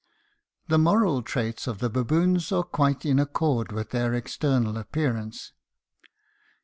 The moral traits of the baboons are quite in accord with their external appearance.